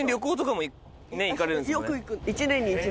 よく行く。